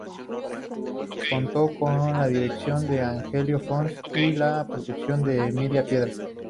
Contó con la dirección de Angelino Fons y la producción de Emiliano Piedra.